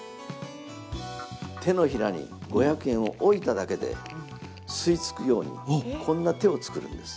手の平に５００円を置いただけで吸い付くようにこんな手を作るんです。